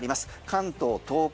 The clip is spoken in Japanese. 関東、東海